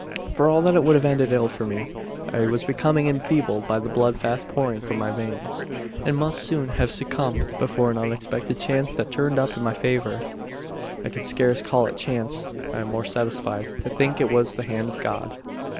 "For all that it would have ended ill for me. I was becoming enfeebled by the blood fast pouring from my veins, and must soon have succumbed, but for an unexpected chance that turned up in my favour. "I can scarce call it chance. I am more satisfied, to think it was the hand of God."